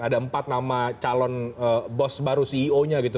ada empat nama calon bos baru ceo nya gitu